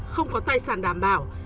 không có tài sản đảm bảo